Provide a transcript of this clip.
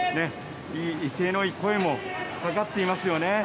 威勢のいい声もかかっていますよね。